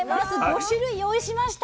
５種類用意しました。